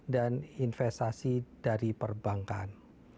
dan investasi dari perbankan